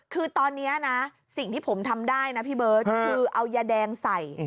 คือตอนนี้นะสิ่งที่ผมทำได้นะพี่เบิร์ตคือเอายาแดงใส่